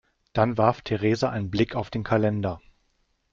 Dann warf Theresa einen Blick auf den Kalender.